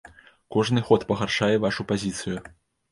Кожны ход пагаршае вашу пазіцыю.